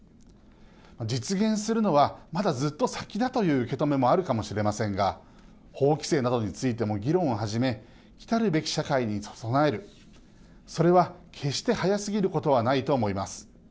実現するのはまだずっと先だという受け止めもあるかもしれませんが法規制などについても議論を始め来たるべき社会に備えるそれは決して早すぎることはないと思います。